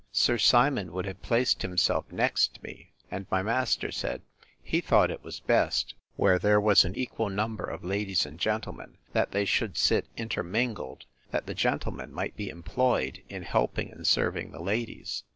Sir Simon would have placed himself next me: And my master said, He thought it was best, where there was an equal number of ladies and gentlemen, that they should sit, intermingled, that the gentlemen might be employed in helping and serving the ladies.